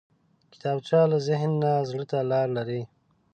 کتابچه له ذهن نه زړه ته لاره لري